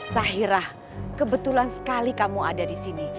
sahirah kebetulan sekali kamu ada di sini